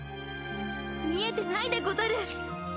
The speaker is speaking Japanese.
見えてないでござる！